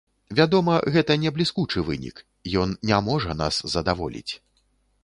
Вядома, гэта не бліскучы вынік, ён не можа нас задаволіць.